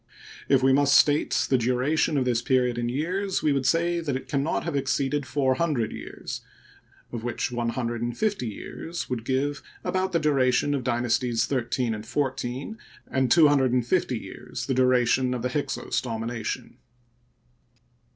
If we must state the duration of this period in years, we would say that it can not have exceeded four hundred years, of which one hun dred and fifty years would give about the duration of Dynasties XIII and XIV and two hundred and fifty years the duration of the Hyksos domination.